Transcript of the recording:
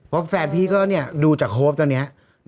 เพราะแฟนพี่ก็ดูจากโฮปตัวนี้